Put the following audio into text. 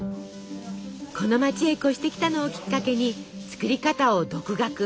この町へ越してきたのをきっかけに作り方を独学。